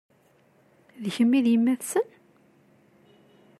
D kemm i d yemma-tsen?